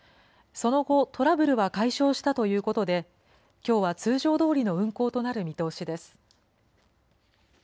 その後、トラブルは解消したということで、きょうは通常どおりの運航となる見通しです。